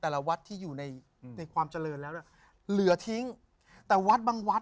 แจ๊คจิลวันนี้เขาสองคนไม่ได้มามูเรื่องกุมาทองอย่างเดียวแต่ว่าจะมาเล่าเรื่องประสบการณ์นะครับ